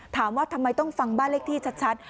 ถามว่าทำไมต้องฟังบ้านเลขที่ชัด